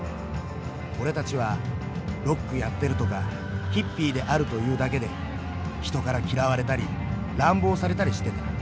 俺たちはロックやってるとかヒッピーであるというだけで人から嫌われたり乱暴されたりしてた。